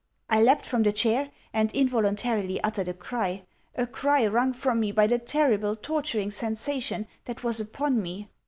I leapt from the chair, and involuntarily uttered a cry a cry wrung from me by the terrible, torturing sensation that was upon me.